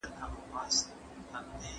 پټ په زړه کي به دي ستایم چي جهان را خبر نه سي